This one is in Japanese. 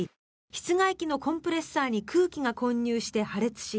室外機のコンプレッサーに空気が混入して破裂し